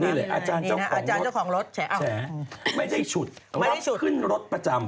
นี่เลยอาจารย์เจ้าของรถแชร์ไม่ได้ฉุดรับขึ้นรถประจำ